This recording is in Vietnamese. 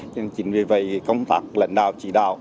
nên chính vì vậy công tác lần đầu chỉ đạo